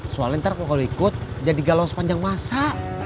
soalnya ntar kalau ikut jadi galau sepanjang masa